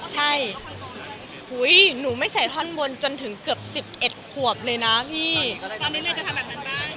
ใช่หนูไม่ใส่ท่อนบนจนถึงเกือบ๑๑ขวบเลยนะพี่ตอนนี้เลยจะทำแบบนั้นได้